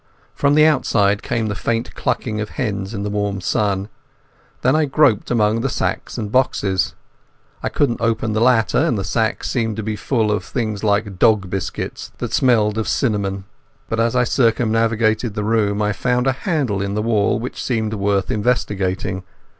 From the outside came the faint clucking of hens in the warm sun. Then I groped among the sacks and boxes. I couldn't open the latter, and the sacks seemed to be full of things like dog biscuits that smelt of cinnamon. But, as I circumnavigated the room, I found a handle in the wall which seemed worth investigating.